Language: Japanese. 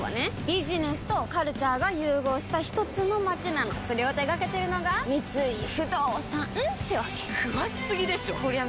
ビジネスとカルチャーが融合したひとつの街なのそれを手掛けてるのが三井不動産ってわけ詳しすぎでしょこりゃ